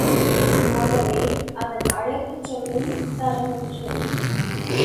ஆகவே அதன் அழகு சொல்லும் தரமன்று.